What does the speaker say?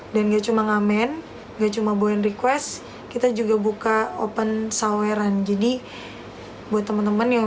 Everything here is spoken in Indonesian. dan gak cuma ngamen gak cuma boyan request kita juga buka open sawaran jadi buat teman teman yang